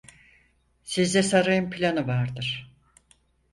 Sizde sarayın planı vardır.